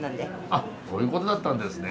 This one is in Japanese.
あそういうことだったんですね。